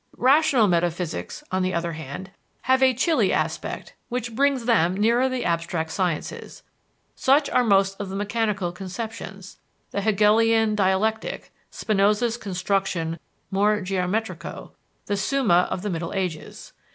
Rational metaphysics, on the other hand, have a chilly aspect, which brings them nearer the abstract sciences. Such are most of the mechanical conceptions, the Hegelian Dialectic, Spinoza's construction more geometrico, the Summa of the Middle Ages.